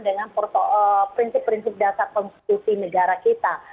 dengan prinsip prinsip dasar konstitusi negara kita